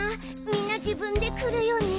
みんな自分で来るよね？」